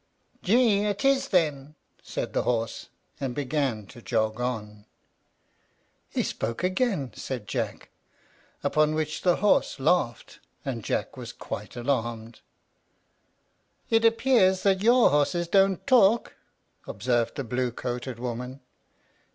"Gee it is, then," said the horse, and began to jog on. "He spoke again!" said Jack, upon which the horse laughed, and Jack was quite alarmed. "It appears that your horses don't talk?" observed the blue coated woman.